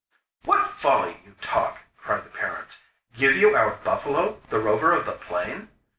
'What folly you talk!' cried the parents. 'Give you our buffalo, the Rover of the Plain?